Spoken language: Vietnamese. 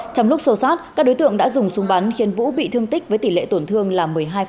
trong lúc sâu sát các đối tượng đã dùng súng bắn khiến vũ bị thương tích với tỷ lệ tổn thương là một mươi hai